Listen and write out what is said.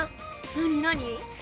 何何？